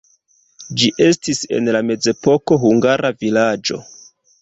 Ĝi estis en la mezepoko hungara vilaĝo.